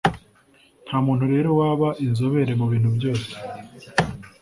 Ntamuntu rero waba inzobere mu bintu byose